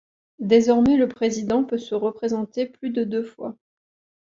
Désormais le président peut se représenter plus de deux fois.